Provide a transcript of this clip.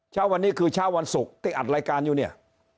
เช้าวันนี้คือเช้าวันศุกร์ที่อัดรายการอยู่เนี่ย